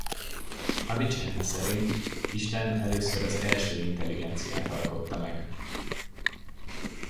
Avicenna szerint Isten először az első intelligenciát alkotta meg.